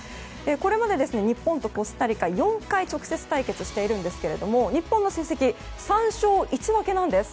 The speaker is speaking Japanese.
これまで日本とコスタリカ４回直接対決しているんですが日本の成績は３勝１分けなんです。